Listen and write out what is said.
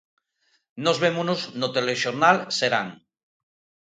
Nós vémonos no Telexornal Serán.